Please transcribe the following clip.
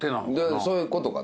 そういうことかね。